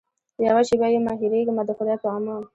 یوه شېبه یمه هېرېږمه د خدای په امان.